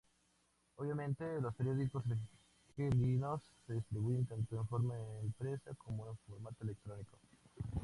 Obviamente, los periódicos argelinos se distribuyen tanto en forma impresa como en formato electrónico.